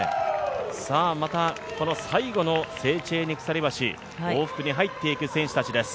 またこの最後のセーチェーニ鎖橋、往復に入っていく選手たちです。